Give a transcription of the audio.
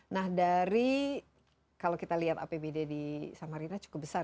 nah dari kalau kita lihat apbd di samarina cukup besar